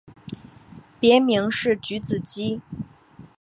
别名是菊子姬。